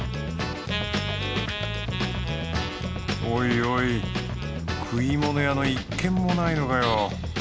おいおい食い物屋の一軒もないのかよ。